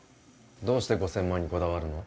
どうして５０００万にこだわるの？